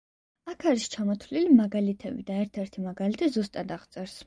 აქ არის ჩამოთვლილი მაგალითები და ერთ-ერთი მაგალითი ზუსტად აღწერს.